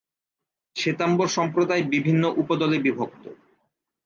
শ্বেতাম্বর সম্প্রদায় বিভিন্ন উপদলে বিভক্ত।